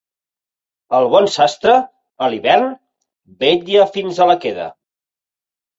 El bon sastre, a l'hivern, vetlla fins a la queda.